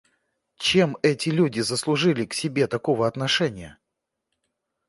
Чем эти люди заслужили к себе такого отношения?